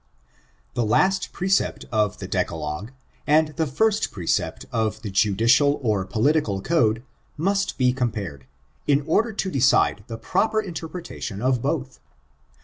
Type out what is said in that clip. I The last precept of the decalogue, and the first precept of the judicial or political code, must be compared, in order to decide the proper interpretation of both.